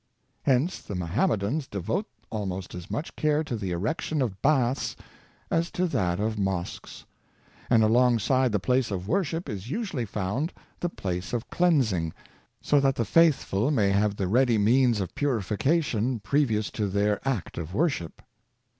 Hence the Mohammedans devote almost as much care to the erection of baths as to that of mosques; and along side the place of worship is usually found the place of cleansing, so that the faith ful may have the ready means of purification previous to their act of worship.